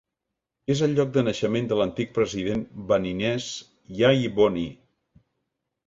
És el lloc de naixement de l'antic president beninès Yayi Boni.